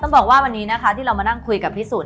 ต้องบอกว่าวันนี้ที่เรามานั่งคุยกับพี่สุ